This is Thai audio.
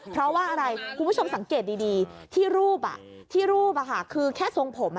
เพราะว่าอะไรคุณผู้ชมสังเกตดีที่รูปที่รูปคือแค่ทรงผม